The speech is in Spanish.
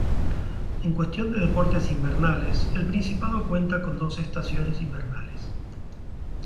En cuestión de deportes invernales, el Principado cuenta con dos estaciones invernales.